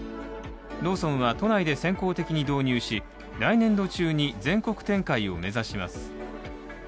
ローソンは都内で先行的に導入し来年度中に全国展開を目指します。